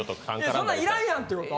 そんなんいらんやんってこと？